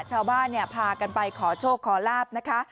ชาวบ้านพากันไปขอโชคขอลาบนะคะ